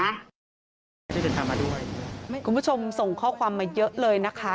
ที่จะถามมาด้วยคุณผู้ชมส่งข้อความมาเยอะเลยนะคะ